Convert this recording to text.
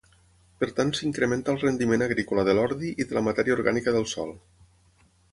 Per tant s'incrementa el rendiment agrícola de l'ordi i de la matèria orgànica del sòl.